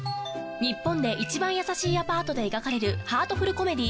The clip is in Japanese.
日本で一番優しいアパートで描かれるハートフル・コメディ